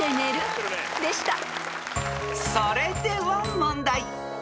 ［それでは問題］